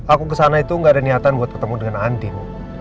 aku kesana itu gak ada niatan buat ketemu dengan andin